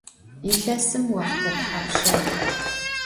Yilhesım voxhte thapşşa yi'er?